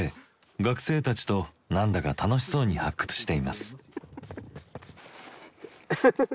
学生たちと何だか楽しそうに発掘しています。